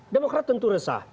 demokrat tentu resah